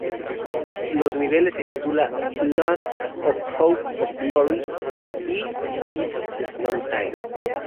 Los niveles se titula "Land of Hope and Glory", y "It's Snow Time".